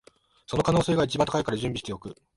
その可能性が一番高いから準備しておく